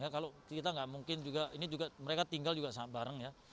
kalau kita nggak mungkin juga ini juga mereka tinggal juga bareng ya